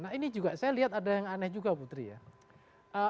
nah ini juga saya lihat ada yang aneh juga putri ya